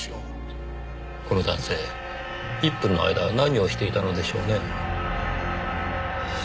この男性１分の間何をしていたのでしょうねぇ。